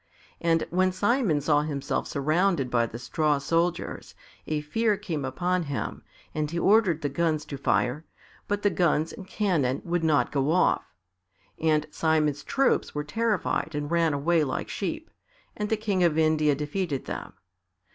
And when Simon saw himself surrounded by the straw soldiers, a fear came upon him and he ordered the guns to fire, but the guns and cannon would not go off. And Simon's troops were terrified and ran away like sheep, and the King of India defeated them.